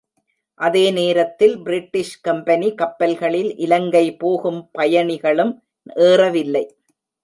அதே நேரத்தில் British company கப்பல்களில் இலங்கை போகும் பயணிகளும் ஏறவில்லை.